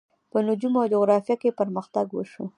په نجوم او جغرافیه کې پرمختګ وشو.